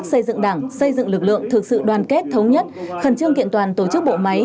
xây dựng đảng xây dựng lực lượng thực sự đoàn kết thống nhất khẩn trương kiện toàn tổ chức bộ máy